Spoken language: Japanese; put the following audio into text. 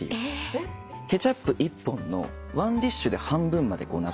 ケチャップ１本のワンディッシュで半分までこうなくなるから。